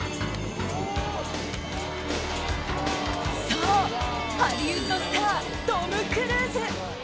そう、ハリウッドスタートム・クルーズ。